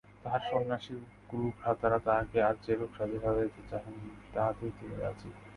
তাঁহার সন্ন্যাসী গুরুভ্রাতারা তাঁহাকে আজ যেরূপ সাজে সাজাইতে চাহেন, তাহাতেই তিনি রাজী।